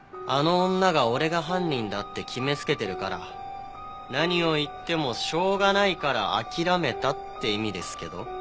あの女が俺が犯人だって決めつけてるから何を言ってもしょうがないから諦めたって意味ですけど。